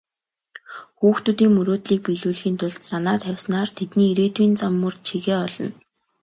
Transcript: Хүүхдүүдийн мөрөөдлийг биелүүлэхийн тулд санаа тавьснаар тэдний ирээдүйн зам мөр чигээ олно.